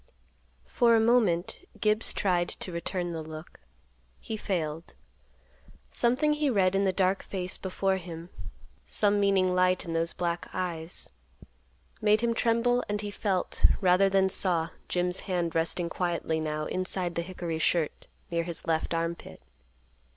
For a moment Gibbs tried to return the look. He failed. Something he read in the dark face before him—some meaning light in those black eyes—made him tremble and he felt, rather than saw, Jim's hand resting quietly now inside the hickory shirt near his left arm pit.